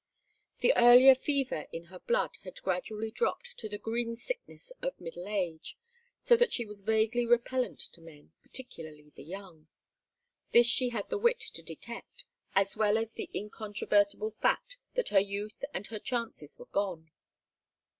The earlier fever in her blood had gradually dropped to the greensickness of middle age, so that she was vaguely repellent to men, particularly the young. This she had the wit to detect, as well as the incontrovertible fact that her youth and her chances were gone.